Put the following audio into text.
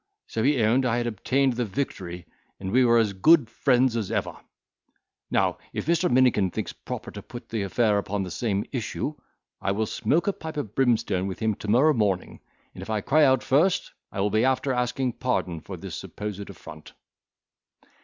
So he owned I had obtained the victory, and we were as good friends as ever. Now, if Mr. Minikin thinks proper to put the affair upon the same issue, I will smoke a pipe of brimstone with him to morrow morning, and if I cry out first, I will be after asking pardon for this supposed affront."